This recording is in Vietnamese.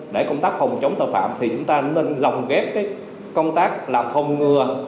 để công tác phòng chống tội phạm thì chúng ta nên lòng ghép cái công tác làm thông ngừa